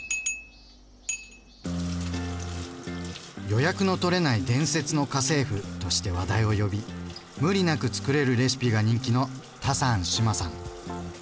「予約のとれない伝説の家政婦」として話題を呼び無理なくつくれるレシピが人気のタサン志麻さん。